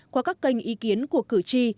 qua các kênh ý kiến của cử tri